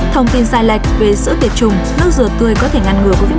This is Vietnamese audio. thông tin sai lệch về sữa tiệt trùng nước rửa tươi có thể ngăn ngừa covid một mươi chín